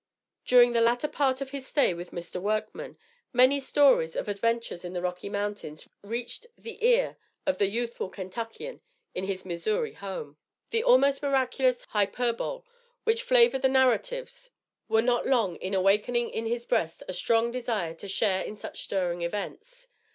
During the latter part of his stay with Mr. Workman, many stories of adventures in the Rocky Mountains reached the ear of the youthful Kentuckian in his Missouri home. The almost miraculous hyperbole which flavored the narratives were not long in awakening in his breast a strong desire to share in such stirring events.